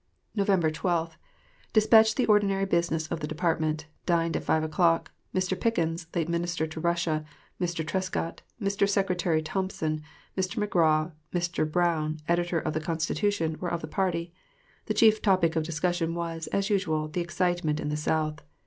November 12 ... Dispatched the ordinary business of the department; dined at 5 o'clock; Mr. Pickens, late Minister to Russia, Mr. Trescott, Mr. Secretary Thompson, Mr. McGraw, Mr. Browne, editor of the "Constitution," were of the party. The chief topic of discussion was, as usual, the excitement in the South.